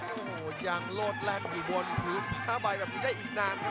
โอ้โหยังโลดแล่นอยู่บนถือ๕ใบแบบนี้ได้อีกนานครับ